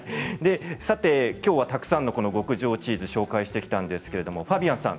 さてきょうはたくさんの極上チーズを紹介してきたんですがファビアンさん